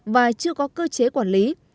và chưa có cơ chế quản lý